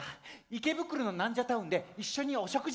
池袋のナンジャタウンで一緒にお食事でも！